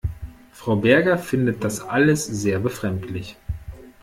Frau Berger findet das alles sehr befremdlich.